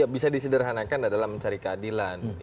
bisa disederhanakan adalah mencari keadilan